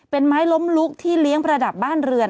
เป็นไม้ล้มลุกที่เลี้ยงประดับบ้านเรือน